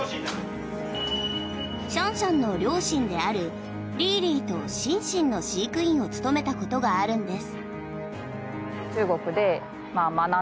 シャンシャンの両親であるリーリーとシンシンの飼育員を務めたことがあるんです。